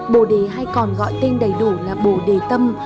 bồ đề hay còn gọi tên đầy đủ là bộ đề tâm